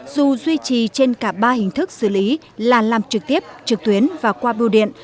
dù duy trì trên cả ba hình thức xử lý là làm trực tiếp trực tuyến và qua bưu điện